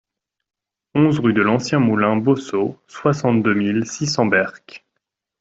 onze rue de l'Ancien Moulin Beaussaut, soixante-deux mille six cents Berck